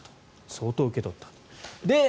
相当受け取ったと。